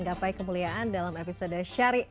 di kepala saya